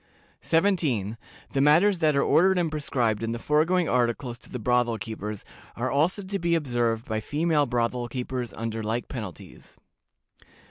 "17. The matters that are ordered and prescribed in the foregoing articles to the brothel keepers, are also to be observed by female brothel keepers under like penalties.